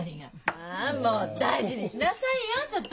あもう大事にしなさいよちょっと。